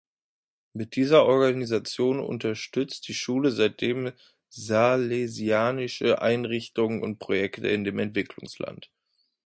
Mit dieser Organisation unterstützt die Schule seitdem salesianische Einrichtungen und Projekte in dem Entwicklungsland.